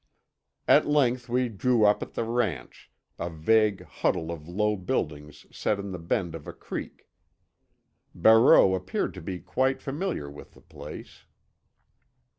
At length we drew up at the ranch, a vague huddle of low buildings set in the bend of a creek. Barreau appeared to be quite familiar with the place.